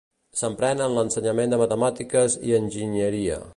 S'empren en l'ensenyament de matemàtiques i enginyeria.